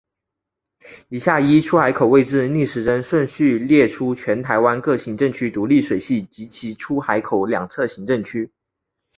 以下依出海口位置逆时针顺序列出全台湾各行政区独立水系及其出海口两侧行政区。